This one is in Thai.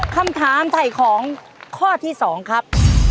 คำถามไถ่ของข้อที่๒ครับ